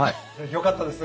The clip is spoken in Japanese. よかったです。